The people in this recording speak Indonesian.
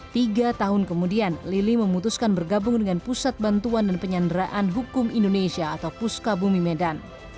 tiga tahun kemudian lili memutuskan bergabung dengan pusat bantuan dan penyanderaan hukum indonesia atau puska bumi medan